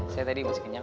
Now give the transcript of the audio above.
saya tadi masih kenyang